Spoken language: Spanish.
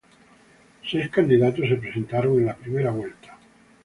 Seis candidatos se presentaron en la primera vuelta.